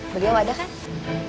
beliau ada kan